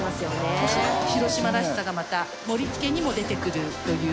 広島らしさがまた盛り付けにも出てくるという。